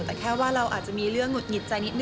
แต่แค่ว่าเราอาจจะมีเรื่องหุดหงิดใจนิดน